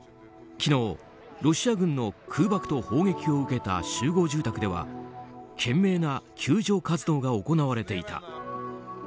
昨日、ロシア軍の空爆と砲撃を受けた集合住宅では懸命な救助活動が行われていた。